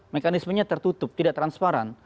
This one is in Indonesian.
mekanismenya tertutup tidak transparan